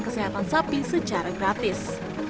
kesehatan sapi secara gratis